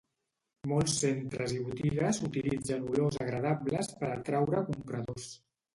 Molts centres i botigues utilitzen olors agradables per atraure compradors